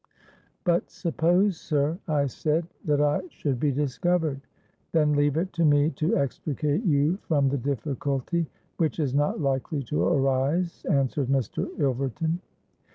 '—'But suppose, sir,' I said, 'that I should be discovered?'—'Then leave it to me to extricate you from the difficulty, which is not likely to arise,' answered Mr. Ilverton.